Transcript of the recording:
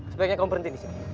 sebaiknya kamu berhenti disini